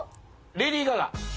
レディー・ガガ。